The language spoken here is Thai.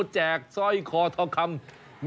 แจกสร้อยคอทองคำ